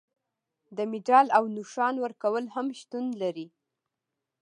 د مډال او نښان ورکول هم شتون لري.